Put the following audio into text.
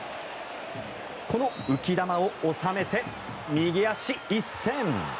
この浮き球を収めて右足一閃！